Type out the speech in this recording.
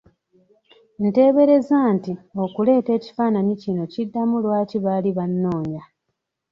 Nteebereza nti okuleeta ekifaananyi kino kiddamu lwaki baali bannoonya.